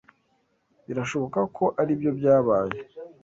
Birashoboka ko aribyo byabaye.